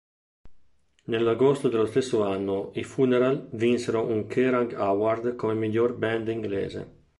Nell'agosto dello stesso anno i Funeral vinsero un Kerrang Award come "Migliore band inglese".